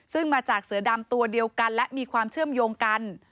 ซึ่งมาจากเสือดำตัวเดียวกันและมีความเชื่อมโยงกัน